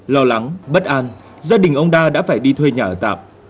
lo lắng bất an gia đình ông đa đã phải đi thuê nhà ở tạm